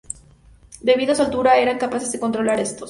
Debido a su altura eran capaces de controlar estos.